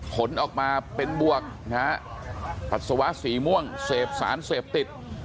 ผลออกมาเป็นบวกนะฮะปัสสาวะสีม่วงเสพสารเสพติด